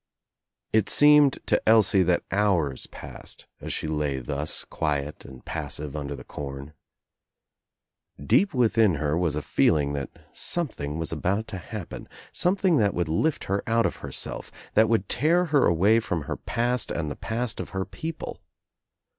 It seemed to Elsie that hours passed as she lay thus, quiet and passive under the corn. Deep within her there was a feeling that something was about to happen, something that would lift her out of herself, that would tear her away from her past and the past of her people.